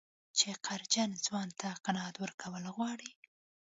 چې قهرجن ځوان ته قناعت ورکول غواړي.